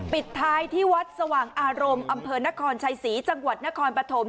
ปิดท้ายที่วัดสว่างอารมณ์อศนครชายศรีจนครปฐม